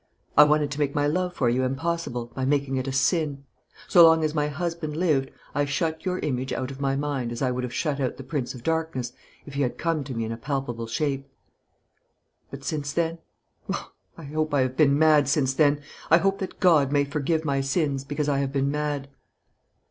I wanted to make my love for you impossible by making it a sin. So long as my husband lived, I shut your image out of my mind as I would have shut out the Prince of Darkness, if he had come to me in a palpable shape. But since then oh, I hope I have been mad since then; I hope that God may forgive my sins because I have been mad!"